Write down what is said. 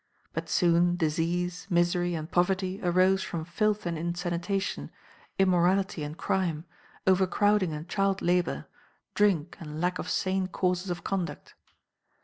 But soon disease, misery, and poverty arose from filth and insanitation, immorality and crime, overcrowding and child labor, drink and lack of sane courses of conduct.